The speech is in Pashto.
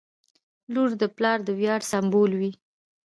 • لور د پلار د ویاړ سمبول وي.